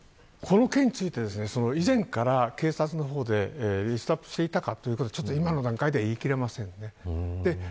この件について以前から警察の方でリストアップしていたかということはちょっと今の段階では言い切れません。